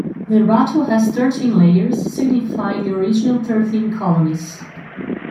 The rattle has thirteen layers, signifying the original Thirteen Colonies.